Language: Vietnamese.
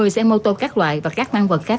một mươi xe mô tô các loại và các mang vật khác